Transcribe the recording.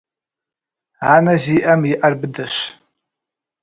Анэ зиIэм и Iэр быдэщ.